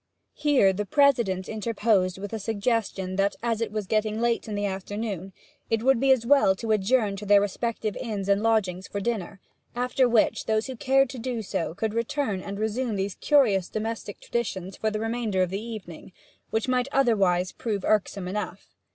Here the President interposed with a suggestion that as it was getting late in the afternoon it would be as well to adjourn to their respective inns and lodgings for dinner, after which those who cared to do so could return and resume these curious domestic traditions for the remainder of the evening, which might otherwise prove irksome enough.